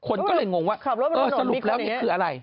คนก็เลยงงว่าเออสรุปแล้วนี่คืออะไร